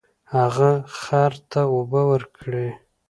هغه خر ته اوبه ورکړې.